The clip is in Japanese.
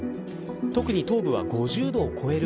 特に頭部は、５０度を超える